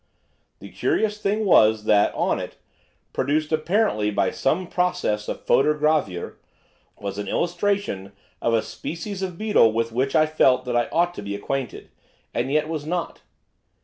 The curious thing was that, on it, produced apparently by some process of photogravure, was an illustration of a species of beetle with which I felt that I ought to be acquainted, and yet was not.